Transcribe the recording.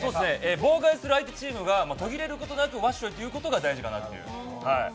妨害する相手チームが途切れることなくわっしょいと言うことが大事かなと。